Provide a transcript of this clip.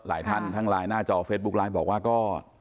หลายท่านทั้งไลน์หน้าจอเฟซบุ๊กไลฟ์บอกว่าก็